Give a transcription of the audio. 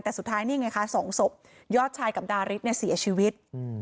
แต่สุดท้ายนี่ไงคะสองศพยอดชายกับดาริสเนี่ยเสียชีวิต